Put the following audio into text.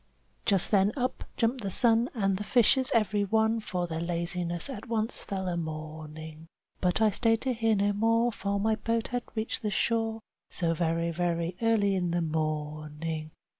Just then up jumped the sun, and the fishes every one For their laziness at once fell a mourning. But I stayed to hear no more, for my boat had reached the shore, So very, very early in the morning.